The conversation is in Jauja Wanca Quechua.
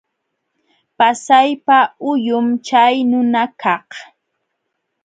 Pasaypa huyum chay nunakaq.